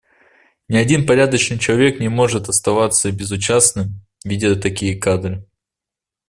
Ни один порядочный человек не может оставаться безучастным, видя такие кадры.